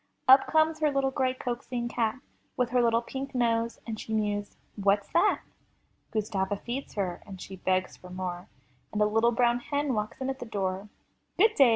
Up comes her little gray, coaxing cat. With her little pink nose, and she mews, What's that?*' Gustava feeds her — she begs for more, And a little brown hen walks in at the door. '*Good day!"